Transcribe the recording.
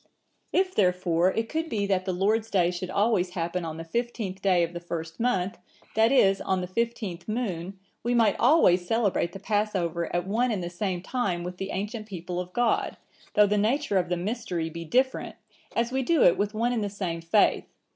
"If therefore it could be that the Lord's day should always happen on the fifteenth day of the first month, that is, on the fifteenth moon, we might always celebrate the Passover at one and the same time with the ancient people of God, though the nature of the mystery be different, as we do it with one and the same faith.